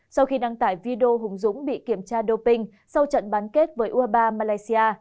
sau khi đăng tải video hùng dũng bị kiểm tra doping sau trận bán kết với u hai mươi ba malaysia